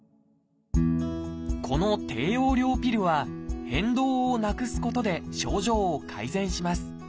この低用量ピルは変動をなくすことで症状を改善します。